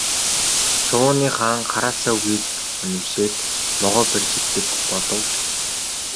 Шувууны хаан хараацайн үгийг үнэмшээд могой барьж иддэг болов гэнэ.